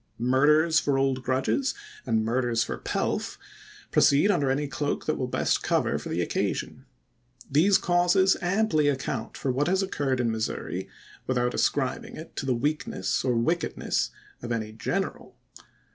Murders for old grudges, and murders for pelf, proceed under any cloak that will best cover for the occasion. These causes amply account for what has occurred in Missouri, without ascribing it to the weakness or wickedness of any general.